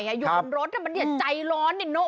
อยู่บนรถถ้ามันเนี่ยใจร้อนเนี่ยเนาะ